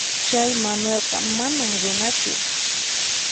Chay Manuelqa manam runachu.